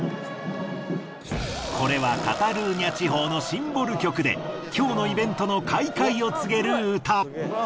これはカタルーニャ地方のシンボル曲で今日のイベントの開会を告げる歌。